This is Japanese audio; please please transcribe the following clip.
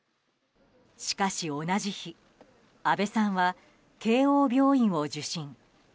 しかし、同じ日安倍さんは慶応病院を受診。